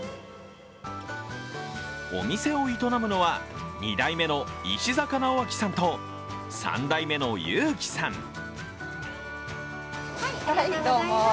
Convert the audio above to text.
お店を営むのは２代目の石坂直明さんと３代目の優貴さん。